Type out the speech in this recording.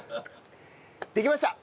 できました。